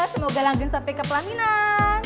semoga langgeng sampai ke pelaminan